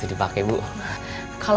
tetap yang selalu